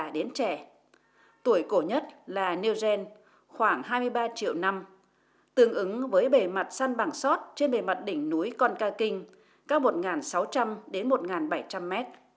đến trẻ tuổi cổ nhất là niu gen khoảng hai mươi ba triệu năm tương ứng với bề mặt săn bằng sót trên bề mặt đỉnh núi con ca kinh cao một nghìn sáu trăm linh đến một nghìn bảy trăm linh m